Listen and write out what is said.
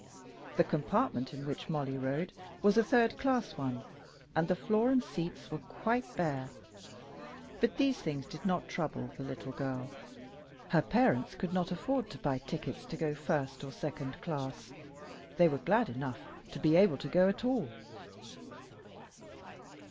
The compartment in which Mollie rode was a third class one, and the floor and seats were quite bare. But these things did not trouble the little girl. Her parents could not afford to buy tickets to go first or second class. They were glad enough to be able to go at all.